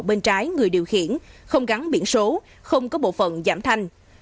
bên trái người điều khiển không gắn biển số không có bộ phận giảm thanh